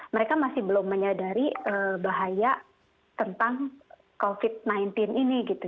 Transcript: mereka masih belum menyadari bahaya tentang covid sembilan belas ini gitu